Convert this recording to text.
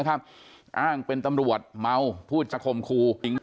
อ้างเป็นตำรวจเมาพูดจะข่มขู่